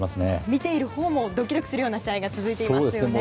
見ているほうもドキドキするような試合が続いていますよね。